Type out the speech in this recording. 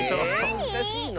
むずかしいの？